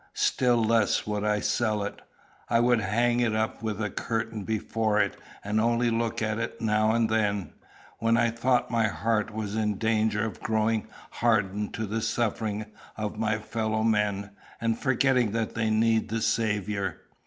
Still less would I sell it. I would hang it up with a curtain before it, and only look at it now and then, when I thought my heart was in danger of growing hardened to the sufferings of my fellow men, and forgetting that they need the Saviour."